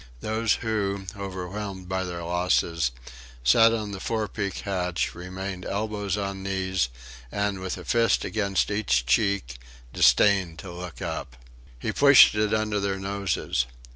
Those who, overwhelmed by their losses, sat on the forepeak hatch, remained elbows on knees, and, with a fist against each cheek, disdained to look up. He pushed it under their noses.